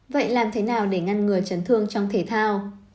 vậy làm thế nào để ngăn ngừa chấn thương trong thể thao